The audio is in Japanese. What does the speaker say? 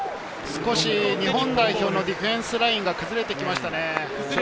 少し日本代表のディフェンスラインが崩れてきましたね。